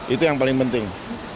itu yang paling penting